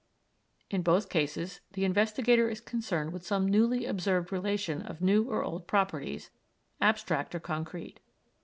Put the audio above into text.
In both cases the investigator is concerned with some newly observed relation of new or old properties, abstract or concrete.